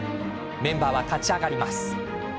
メンバーは立ち上がります。